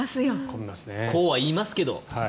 こうは言いますけど。